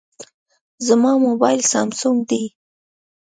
زما موبایل سامسونګ دی.